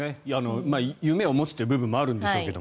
夢を持つという部分もあるんでしょうけど。